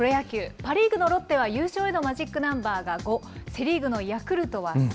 パ・リーグのロッテは、優勝へのマジックナンバーが５、セ・リーグのヤクルトは３。